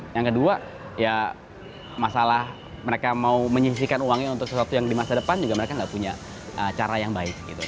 yang kedua ya masalah mereka mau menyisikan uangnya untuk sesuatu yang di masa depan juga mereka nggak punya cara yang baik gitu